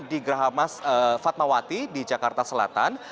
di gerahamas fatmawati di jakarta selatan